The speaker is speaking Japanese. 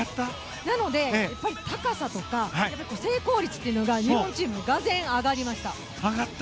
なので、高さとか成功率というのが日本チームがぜん上がりました。